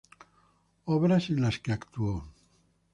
Obras en las que actuó:.